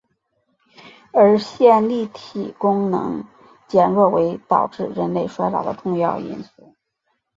而线粒体功能减弱为导致人类衰老的重要因素。